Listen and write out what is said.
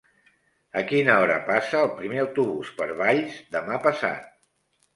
A quina hora passa el primer autobús per Valls demà passat?